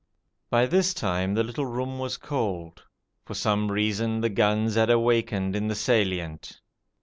By this time the little room was cold. For some reason the guns had awakened in the Salient.